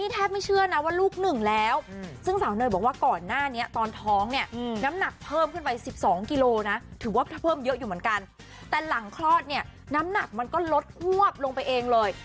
แต่หลังคลอดเนี่ยน้ำหนักมันก็ลดฮวบลงไปเองเลย